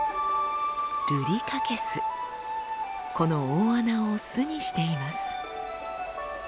この大穴を巣にしています。